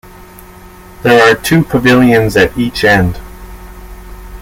There are two pavilions at each end.